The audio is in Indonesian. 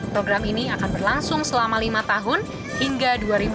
program ini akan berlangsung selama lima tahun hingga dua ribu dua puluh